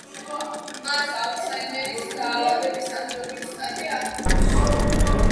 მას ალცჰაიმერის დაავადების ადრეული სტადია აღმოაჩნდება.